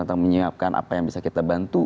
atau menyiapkan apa yang bisa kita bantu